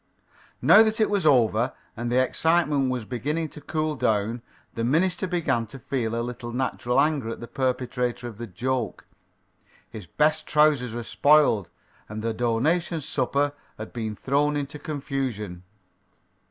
Now that it was over, and the excitement was beginning to cool down, the minister began to feel a little natural anger at the perpetrator of the "Joke." His best trousers were spoiled, and the donation supper had been thrown into confusion.